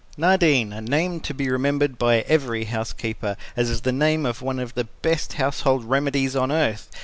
] Nardine A name to be remembered by every housekeeper, as it is the name of one of the best household remedies on earth.